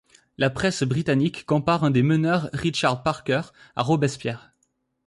La presse britannique compare un des meneurs, Richard Parker, à Robespierre.